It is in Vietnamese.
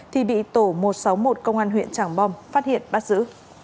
thì bị tổ một trăm sáu mươi một công an huyện tràng bom phát hiện bắt giữ